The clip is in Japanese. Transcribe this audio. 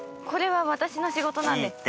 これは私の仕事なんで。